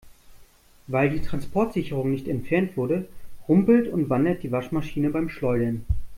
Weil die Transportsicherung nicht entfernt wurde, rumpelt und wandert die Waschmaschine beim Schleudern.